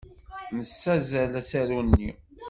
Nessazzel asaru-nni.